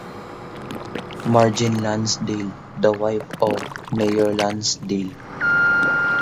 Marjeanne Lansdale - The wife of Mayor Lansdale.